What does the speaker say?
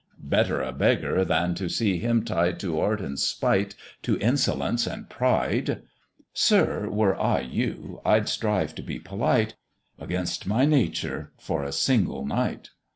"Better a beggar, than to see him tied To art and spite, to insolence and pride." "Sir, were I you, I'd strive to be polite, Against my nature, for a single night."